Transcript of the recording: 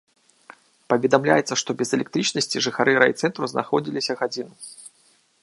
Паведамляецца, што без электрычнасці жыхары райцэнтра знаходзіліся гадзіну.